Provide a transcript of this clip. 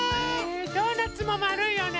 ドーナツもまるいよね。